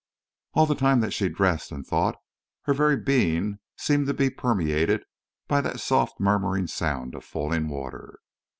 All the time that she dressed and thought, her very being seemed to be permeated by that soft murmuring sound of falling water.